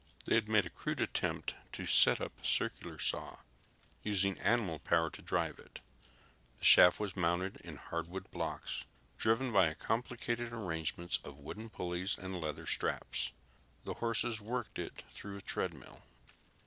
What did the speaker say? They had made a crude attempt to set up a circular saw, using animal power to drive it. The shaft was mounted in hardwood blocks, driven by a complicated arrangement of wooden pulleys and leather belts. The horses worked it through a treadmill.